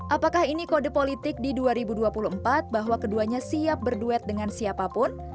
apakah ini kode politik di dua ribu dua puluh empat bahwa keduanya siap berduet dengan siapapun